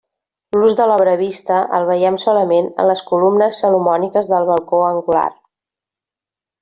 L'ús de l'obra vista el veiem solament en les columnes salomòniques del balcó angular.